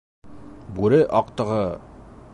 Бүре аҡтығы!